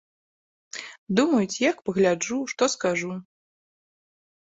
Думаюць, як пагляджу, што скажу.